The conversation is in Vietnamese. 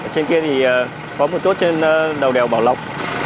trên kia thì có một chốt trên đầu đèo bảo lộc